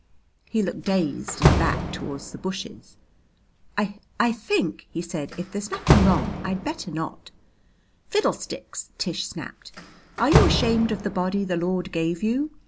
He looked dazed and backed toward the bushes. "I I think," he said, "if there's nothing wrong I'd better not " "Fiddlesticks!" Tish snapped. "Are you ashamed of the body the Lord gave you?